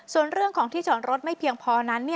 ส่วนเรื่องของที่จอดรถไม่เพียงพอนั้น